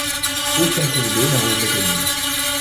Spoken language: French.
Aucun cours d'eau n'arrose la commune.